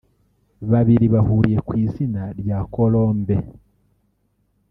babiri bahuriye ku izina rya Colombe